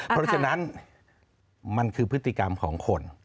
เพราะฉะนั้นมันคือพฤติกรรมของคน